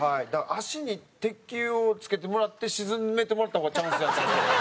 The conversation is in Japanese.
足に鉄球をつけてもらって沈めてもらった方がチャンスやったんですけど。